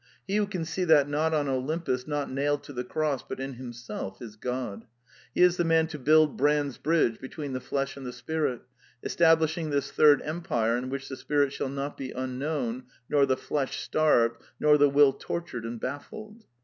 He who can see that not on Olympus, not nailed to the cross, but in himself is God: he is the man to build Brand's bridge between the flesh and the spirit, establishing this third empire in which the spirit shall not be unknown, nor the flesh starved, nor the will tortured and bafiled.